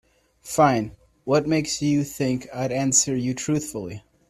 Fine, what makes you think I'd answer you truthfully?